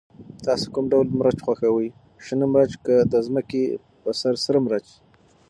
تاسو کوم ډول مرچ خوښوئ، شنه مرچ که د ځمکې په سر سره مرچ؟